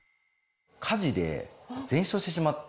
火事で全焼してしまって。